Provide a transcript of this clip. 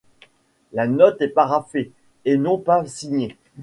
La note est paraphée, et non pas signée.